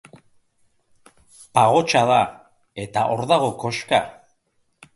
Pagotxa da, eta hor dago koxka.